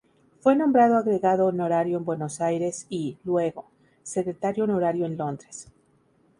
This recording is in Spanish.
Fue nombrado agregado honorario en Buenos Aires y, luego, secretario honorario en Londres.